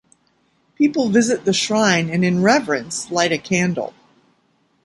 People visit the shrine and in reverence light a candle.